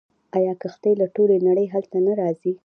آیا کښتۍ له ټولې نړۍ هلته نه راځي؟